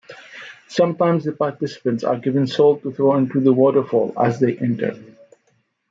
Sometimes the participants are given salt to throw into the waterfall as they enter.